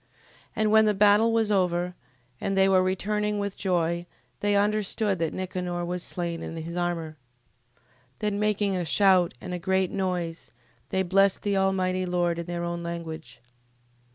15:28. And when the battle was over, and they were returning with joy, they understood that Nicanor was slain in his armour. 15:29. Then making a shout, and a great noise, they blessed the Almighty Lord in their own language.